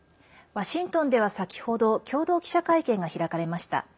ワシントンでは先ほど共同記者会見が開かれました。